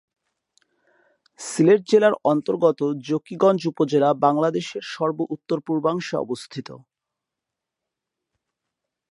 সিলেট জেলার অন্তর্গত জকিগঞ্জ উপজেলা বাংলাদেশের সর্ব উত্তর-পূর্বাংশে অবস্থিত।